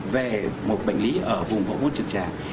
về một bệnh lý ở vùng hỗn hợp trực trạng